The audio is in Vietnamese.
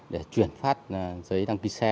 để chuyển phát giấy đăng ký xe